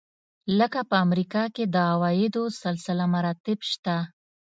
لکه په امریکا کې د عوایدو سلسله مراتب شته.